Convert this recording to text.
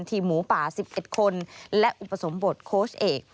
หมูป่า๑๑คนและอุปสมบทโค้ชเอก